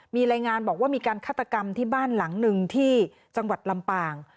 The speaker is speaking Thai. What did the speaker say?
มีรายงานบอกว่ามีการฆาตกรรมที่บ้านหลังหนึ่งที่จังหวัดลำปาง